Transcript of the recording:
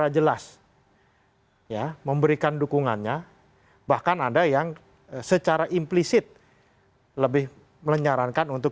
jelas ya memberikan dukungannya bahkan ada yang secara implisit lebih menyarankan untuk